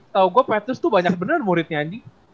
tau gua petrus tuh banyak bener muridnya anjing